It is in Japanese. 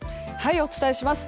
お伝えします。